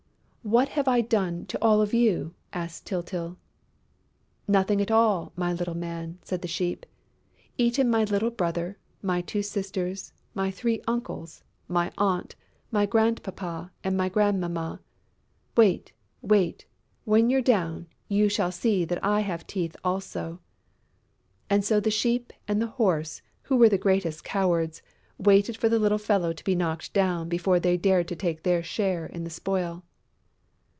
"What have I done to all of you?" asked Tyltyl. "Nothing at all, my little man," said the Sheep. "Eaten my little brother, my two sisters, my three uncles, my aunt, my grandpapa and my grandmamma.... Wait, wait, when you're down, you shall see that I have teeth also...." And so the Sheep and the Horse, who were the greatest cowards, waited for the little fellow to be knocked down before they dared take their share in the spoil.